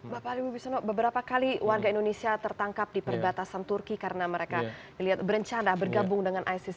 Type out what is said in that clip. bapak halim bisono beberapa kali warga indonesia tertangkap di perbatasan turki karena mereka berencana bergabung dengan isis